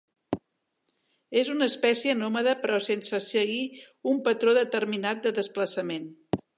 És una espècie nòmada però sense seguir un patró determinat de desplaçament.